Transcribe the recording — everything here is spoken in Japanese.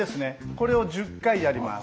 これを１０回やります。